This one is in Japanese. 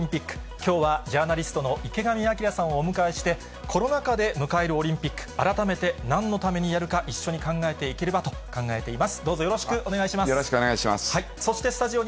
きょうはジャーナリストの池上彰さんをお迎えして、コロナ禍で迎えるオリンピック、改めてなんのためにやるか、一緒に考えていければと考えております。